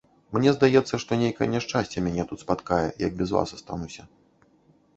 Мне здаецца, што нейкае няшчасце мяне тут спаткае, як без вас астануся.